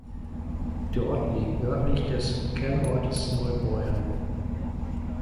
Der Ort liegt nördlich des Kernortes Neubeuern.